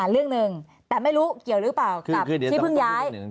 เรื่องหนึ่งแต่ไม่รู้เกี่ยวหรือเปล่ากับที่เพิ่งย้าย